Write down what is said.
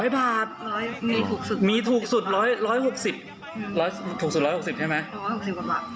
๒๐๐บาทมีถูกสุด๑๖๐ถูกสุด๑๖๐ใช่ไหม